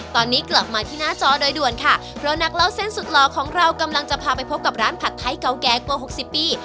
ตอนนี้กลับมาที่หน้าจอโดยด่วนค่ะเพราะนักเล่าเส้นสุดหล่อของเรากำลังจะพาไปพบกับร้านผัดไทยเก่าแก่กว่าหกสิบปี